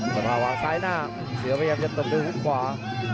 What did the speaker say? สภาวางซ้ายหน้าเสือพยายามจะตบด้วยฮุกขวา